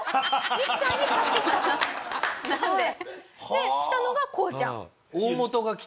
で来たのがこうちゃん。